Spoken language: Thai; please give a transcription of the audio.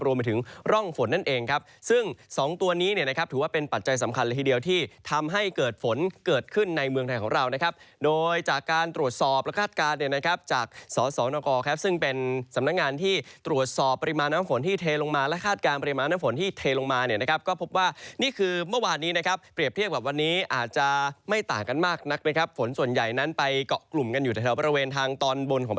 รวมไปถึงร่องฝนนั่นเองครับซึ่งสองตัวนี้เนี่ยนะครับถือว่าเป็นปัจจัยสำคัญทีเดียวที่ทำให้เกิดฝนเกิดขึ้นในเมืองไทยของเรานะครับโดยจากการตรวจสอบและคาดการณ์เนี่ยนะครับจากสสนครับซึ่งเป็นสำนักงานที่ตรวจสอบปริมาณน้ำฝนที่เทลงมาและคาดการณ์ปริมาณน้ำฝนที่เทลงมาเนี่ยนะครับก็